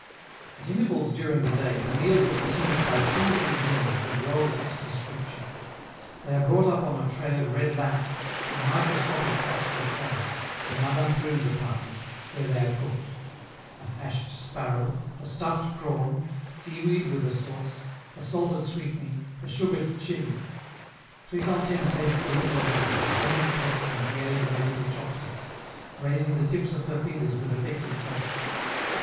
At intervals during the day the meals are continued by two little dinners of the drollest description. They are brought up on a tray of red lacquer, in microscopic cups with covers, from Madame Prune's apartment, where they are cooked: a hashed sparrow, a stuffed prawn, seaweed with a sauce, a salted sweetmeat, a sugared chili! Chrysantheme tastes a little of all, with dainty pecks and the aid of her little chopsticks, raising the tips of her fingers with affected grace.